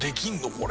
これ。